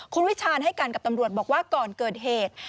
คุณวิชาณให้กันกับตำรวจบอกว่าก่อนเกิดเหตุ